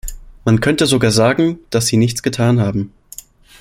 Man könnte sogar sagen, dass sie nichts getan haben.